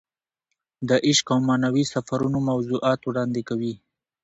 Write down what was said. د عشق او معنوي سفرونو موضوعات وړاندې کوي.